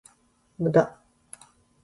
無駄